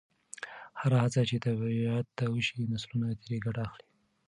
هره هڅه چې طبیعت ته وشي، نسلونه ترې ګټه اخلي.